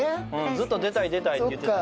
ずっと「出たい出たい」って言ってた。